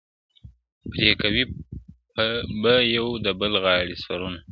پرې کوي به یو د بل غاړي سرونه؛